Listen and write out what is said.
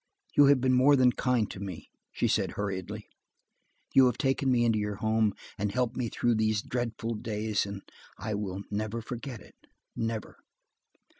"You have been more than kind to me," she said hurriedly. "You have taken me into your home–and helped me through these dreadful days–and I will never forget it; never."